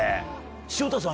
潮田さん